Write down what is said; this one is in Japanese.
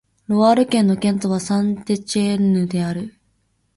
ロワール県の県都はサン＝テチエンヌである